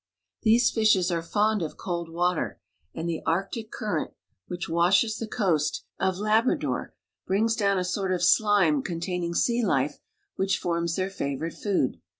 These fishes are fond of cold water, and the Arctic Current, which washes the coast Icebergs. of Labrador, brings down a sort of sHme containing sea life, which forms their favorite food.